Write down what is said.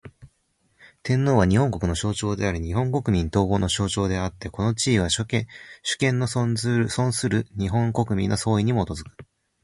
天皇は、日本国の象徴であり日本国民統合の象徴であつて、この地位は、主権の存する日本国民の総意に基く。